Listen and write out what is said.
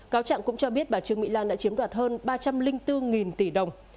cáo trạng cũng cho biết bà trương mỹ lan đã chiếm đoạt hơn ba trăm linh bốn tỷ đồng